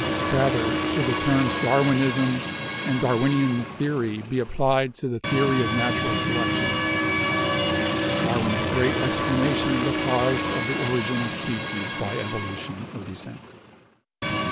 Rather should the terms 'Darwinism' and Darwinian Theory' be applied to the theory of natural selection, Darwin's great explana tion of the cause of the origin of species by evolution or descent.